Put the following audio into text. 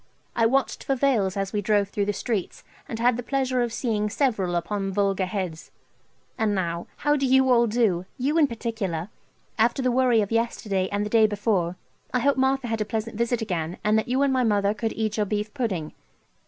I watched for veils as we drove through the streets, and had the pleasure of seeing several upon vulgar heads. And now, how do you all do? you in particular, after the worry of yesterday and the day before. I hope Martha had a pleasant visit again, and that you and my mother could eat your beef pudding.